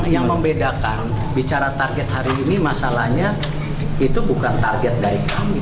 yang membedakan bicara target hari ini masalahnya itu bukan target dari kami